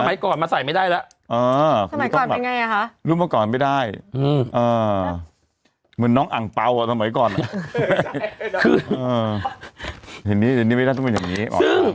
หมายก่อนเหรอใช่คืออ่าอันนี้อันนี้ไม่ได้ต้องเป็นอย่างนี้ซึ่ง